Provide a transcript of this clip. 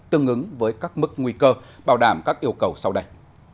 tương ứng với các mức nguy cơ bảo đảm các yêu cầu sau đây